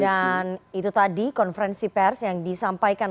dan itu tadi konferensi pers yang disampaikan